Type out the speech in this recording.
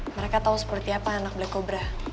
mereka tahu seperti apa anak black cobra